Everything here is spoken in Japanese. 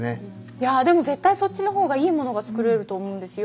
いやぁでも絶対そっちの方がいいものが作れると思うんですよ。